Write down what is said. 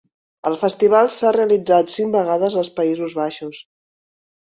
El festival s'ha realitzat cinc vegades als Països Baixos.